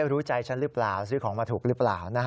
รู้ใจฉันหรือเปล่าซื้อของมาถูกหรือเปล่า